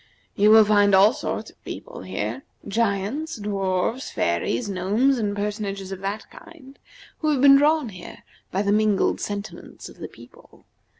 You will find all sorts of people here: giants, dwarfs, fairies, gnomes, and personages of that kind, who have been drawn here by the mingled sentiments of the people.